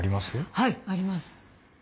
はいあります。